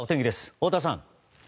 太田さん。